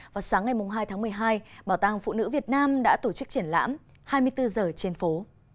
vào sáng ngày hai tháng một mươi hai bảo tàng phụ nữ việt nam đã tổ chức triển lãm hai mươi bốn h trên phố